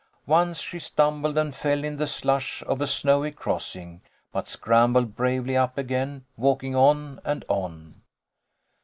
Once she stumbled and fell in the slush of a snowy crossing, but scrambled bravely up again, walking on and on.